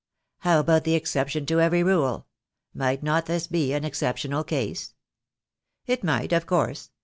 "How about the exception to every rule? Might not this be an exceptional case?" "It might, of course.